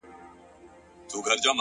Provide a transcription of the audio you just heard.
نو زه له تاسره،